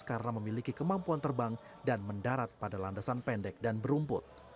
karena memiliki kemampuan terbang dan mendarat pada landasan pendek dan berumput